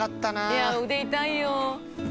いや腕痛いよ。